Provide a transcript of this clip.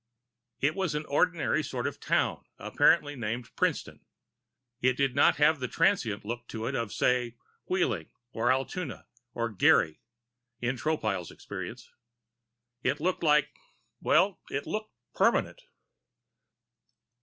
It was an ordinary sort of town, apparently named Princeton. It did not have the transient look to it of, say, Wheeling, or Altoona, or Gary, in Tropile's experience. It looked like well, it looked permanent.